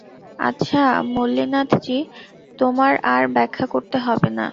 আচ্ছা মল্লিনাথজি, তোমার আর ব্যাখ্যা করতে হবে না।